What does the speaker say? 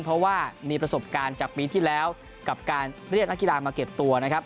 เพราะว่ามีประสบการณ์จากปีที่แล้วกับการเรียกนักกีฬามาเก็บตัวนะครับ